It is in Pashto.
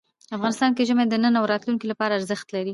افغانستان کې ژمی د نن او راتلونکي لپاره ارزښت لري.